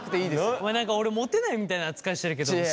ごめん何か俺モテないみたいな扱いしてるけど知らないよ？